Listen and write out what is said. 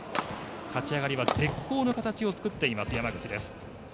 立ち上がりは絶好の形を作っています山口。